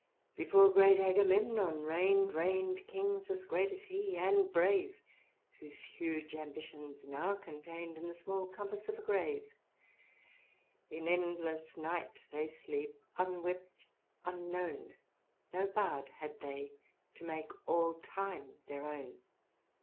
*'*' Before great Agamemnon reign'd, Reign'd kings as great as he, and brave^ Whose huge ambition's now contain'd In the small compass of a grave : In endless night they sleep, unwept, unknown : No bard had they to make all time their own."